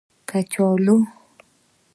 🥔 کچالو